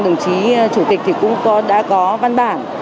đồng chí chủ tịch cũng đã có văn bản